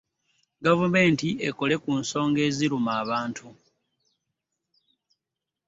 Gavumenti ekole ku nsonga eziruma abantu.